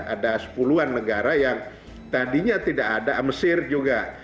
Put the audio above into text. ada sepuluhan negara yang tadinya tidak ada mesir juga